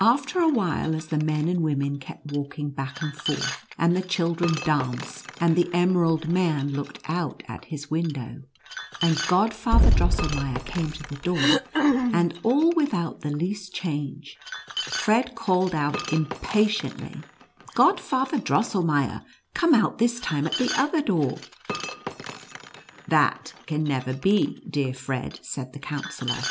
After a while as the men and women kept walk ing back and forth, and the children danced, and the emerald man looked out at his window, and Godfather Drosselmeier came to the door, and all without the least change ; Fred called out impatiently, " Godfather Drosselmeier, come out this time at the other door." " That can never be, dear Fred," said the Counsellor.